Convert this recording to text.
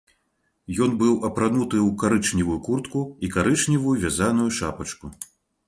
Ён быў апрануты ў карычневую куртку і карычневую вязаную шапачку.